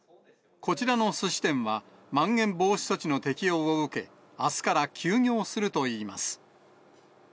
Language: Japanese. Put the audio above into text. こちらのすし店は、まん延防止措置の適用を受け、あすから休業するといいます。